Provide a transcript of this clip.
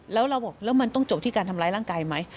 แล้วเราบอกแล้วมันต้องจบที่การทำร้ายร่างกายไหม